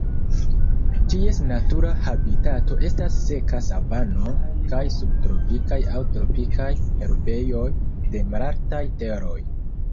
Ties natura habitato estas seka savano kaj subtropikaj aŭ tropikaj herbejoj de malaltaj teroj.